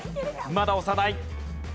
まだ押さない。